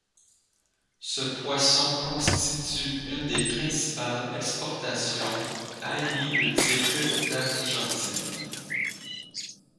Ce poisson constitue une des principales exportations halieutiques d'Argentine.